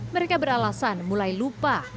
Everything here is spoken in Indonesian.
mereka beralasan mulai lupa